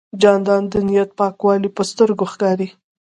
جانداد د نیت پاکوالی په سترګو ښکاري.